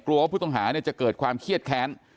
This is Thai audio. ว่าผู้ต้องหาจะเกิดความเครียดแค้น